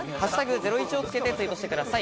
「＃ゼロイチ」をつけてツイートをしてください。